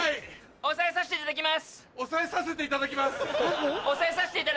押さえさせていただきます！